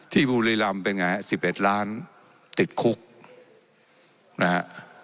ที่บุรีรำเป็นไงสิบเอ็ดล้านติดคุกนะฮะ